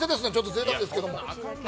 ぜいたくですわ。